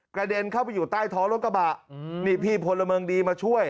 เด็นเข้าไปอยู่ใต้ท้องรถกระบะนี่พี่พลเมืองดีมาช่วย